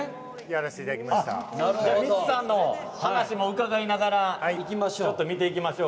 ミッツさんの話も伺いながら見ていきましょう。